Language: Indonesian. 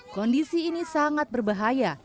kondisi ini sangat berbahaya